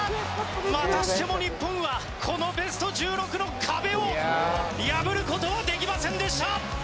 またしても日本はこのベスト１６の壁を破る事はできませんでした。